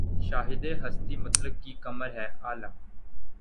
شاہدِ ہستیِ مطلق کی کمر ہے‘ عالم